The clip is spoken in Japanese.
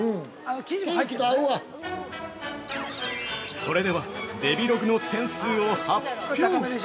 ◆それでは、デヴィログの点数を発表。